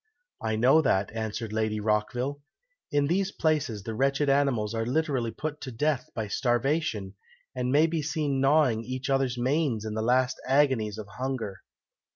"I know that," answered Lady Rockville. "In these places the wretched animals are literally put to death by starvation, and may be seen gnawing each other's manes in the last agonies of hunger."